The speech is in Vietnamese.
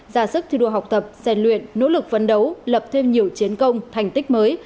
ra sức thi đua học tập xen luyện nỗ lực phấn đấu lập thêm nhiều chiến công thành tích mới